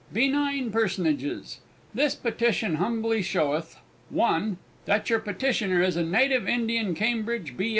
BENIGN PERSONAGES! This Petition humbly sheweth: (1.) That your Petitioner is a native Indian Cambridge B.